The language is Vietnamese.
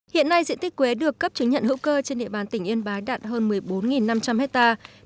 hiện nay diện tích quế được cấp chứng nhận hữu cơ trên địa bàn tỉnh yên bái đạt hơn một mươi bốn năm trăm linh hectare